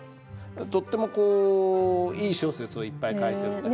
とってもこういい小説をいっぱい書いてるんだけど。